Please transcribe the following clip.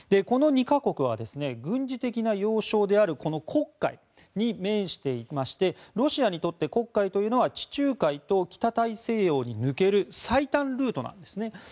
この２か国は軍事的な要衝であるこの黒海に面していましてロシアにとって黒海というのは地中海と北大西洋に抜ける最短ルートなんですね。